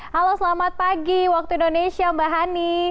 halo selamat pagi waktu indonesia mbak hani